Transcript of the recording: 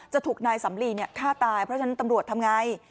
จะถูกนายสำหรี่เนี่ยฆ่าตายเพราะฉะนั้นตำรวจทำง่าย